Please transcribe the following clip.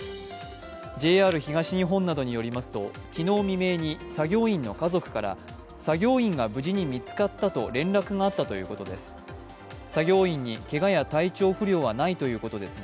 ＪＲ東日本などによりますと、昨日未明に作業員の家族から作業員が無事に見つかったと連絡があったということです。